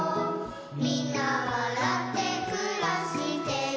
「みんなわらってくらしてる」